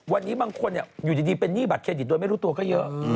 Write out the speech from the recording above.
วันนี้บางคนอยู่ดีเป็นหนี้บัตเครดิตโดยไม่รู้ตัวก็เยอะ